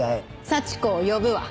幸子を呼ぶわ。